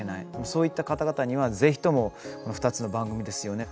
そういった方々にはぜひとも２つの番組ですよね